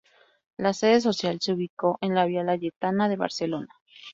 La sede social se ubicó en la Vía Layetana de Barcelona.